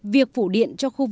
việc phụ điện cho khu vực này